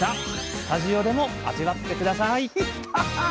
スタジオでも味わって下さい！